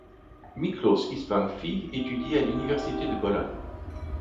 Miklós Istvánffy étudie à l'Université de Bologne.